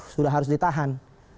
sudah harus ditahan